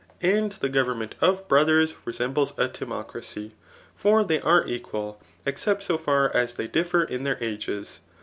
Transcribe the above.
And die government of brothers resembles a dmocracy ; for they are e()ttal, except so far as they differ in thdr ages.